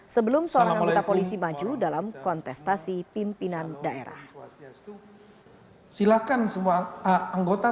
sebelum seorang anggota polisi maju dalam perjuangan